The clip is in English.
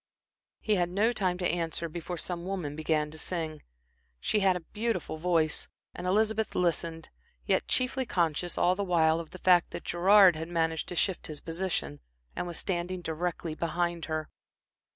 He had no time to answer before some woman began to sing. She had a beautiful voice, and Elizabeth listened, yet chiefly conscious, all the while, of the fact that Gerard had managed to shift his position, and was standing directly behind her.